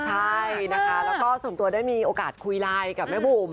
ใช่นะคะแล้วก็ส่วนตัวได้มีโอกาสคุยไลน์กับแม่บุ๋ม